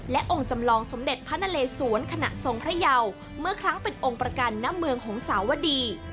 และองค์จำลองสมเด็จพระนเลสวนขณะทรงพระเยาเมื่อครั้งเป็นองค์ประกันน้ำเมืองหงสาวดี